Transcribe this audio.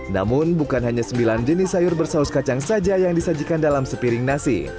namun bukan hanya sembilan jenis sayur bersaus kacang saja yang disajikan dalam sepiring nasi